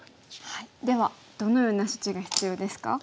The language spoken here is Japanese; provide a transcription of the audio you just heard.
ではどのような処置が必要ですか？